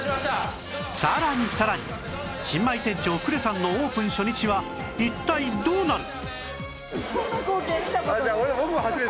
さらにさらに新米店長呉さんのオープン初日は一体どうなる？